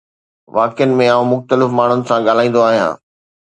واقعن ۾ آئون مختلف ماڻهن سان ڳالهائيندو آهيان